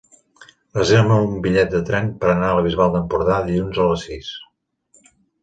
Reserva'm un bitllet de tren per anar a la Bisbal d'Empordà dilluns a les sis.